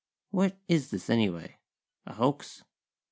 What is this, anyway? A hoax?